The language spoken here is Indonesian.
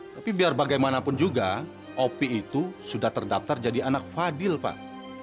tapi biar bagaimanapun juga opi itu sudah terdaftar jadi anak fadil pak